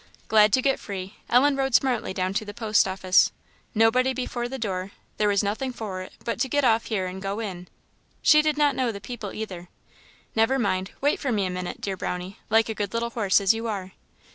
Glad to get free, Ellen rode smartly down to the post office. Nobody before the door; there was nothing for it but to get off here and go in; she did not know the people either. "Never mind, wait for me a minute, dear Brownie, like a good little horse as you are!"